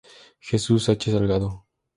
Jesús H. Salgado.